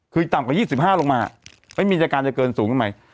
คือต่ำกว่ายี่สิบห้าลงมาไม่มีจากการจะเกินสูงกันไหม